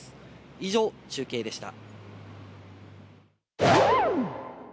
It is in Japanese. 以上、中継でした。